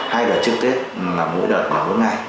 hai đợt trước tết là mỗi đợt là bốn ngày